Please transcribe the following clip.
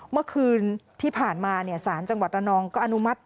เมื่อคืนที่ผ่านมาสารจังหวัดระนองก็อนุมัติ